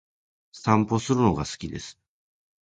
散歩するのが好きです。